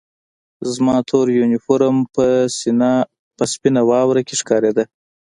زما تور یونیفورم په سپینه واوره کې ښکارېده